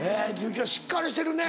しっかりしてるね。